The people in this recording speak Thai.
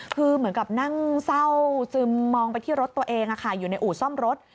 คือเหมือนกับนั่งเศร้าซึมมองไปที่รถตัวเองอยู่ในอู่ซ่อมรถ